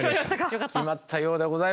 決まったようでございます。